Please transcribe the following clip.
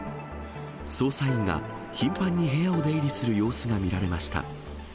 捜査員が頻繁に部屋を出入りする様子が見られました。